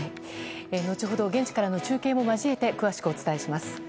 後ほど現地からの中継も交えて詳しくお伝えします。